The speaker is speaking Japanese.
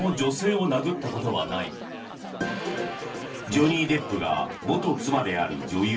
ジョニー・デップが元妻である女優